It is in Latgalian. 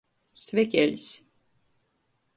Svekeļs.